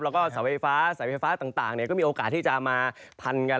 แล้วก็เสาไฟฟ้าสายไฟฟ้าต่างก็มีโอกาสที่จะมาพันกัน